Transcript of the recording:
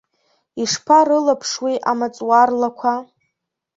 Ишԥа рылаԥшуеи амаҵуар лақәа?